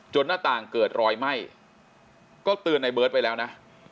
หน้าต่างเกิดรอยไหม้ก็เตือนในเบิร์ตไปแล้วนะ